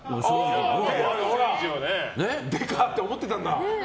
デカッて思ってたんだ。